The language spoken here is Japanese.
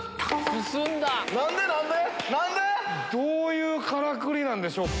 どういうからくりなんでしょう？